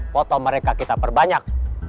potong mereka kita perbanyak